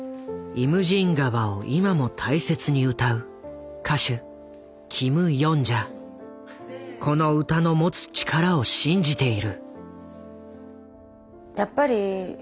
「イムジン河」を今も大切に歌うこの歌の持つ力を信じている。